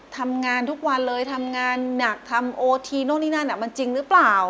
ทำงานทุกวันเลยทำงานหนักทำโอทีโน่นนี่นั่นมันจริงหรือเปล่า